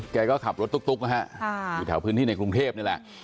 แกก็ขับรถตุ๊กนะฮะอยู่แถวพื้นที่ในกรุงเทพนี่แหละ